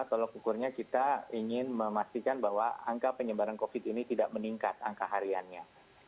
tolok ukurnya kita ingin memastikan bahwa angka penyebaran covid ini tidak meningkat angka hariannya